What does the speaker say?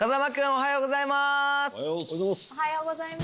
おはようございます。